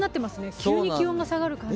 急に気温が下がる感じ。